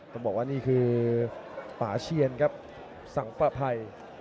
ต้องบอกนี่คือป่าเชียนครับสังเป็นเข้า